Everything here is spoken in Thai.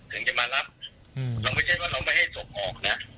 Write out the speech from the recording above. ถึงจะมารับเราไม่ใช่ว่าเราไม่ให้ศพออกนะ